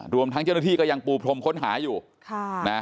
รวมทั้งเจ้าหน้าที่ก็ยังปูพรมค้นหาอยู่ค่ะนะ